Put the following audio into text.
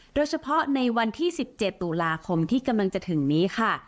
โดยเฉพาะในวันที่๑๗ตุลาคมที่กำลังจะถึงนี้ค่ะ